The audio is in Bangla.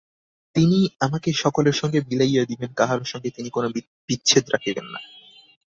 তিনিই আমাকে সকলের সঙ্গে মিলাইয়া দিবেন, কাহারো সঙ্গে তিনি কোনো বিচ্ছেদ রাখিবেন না।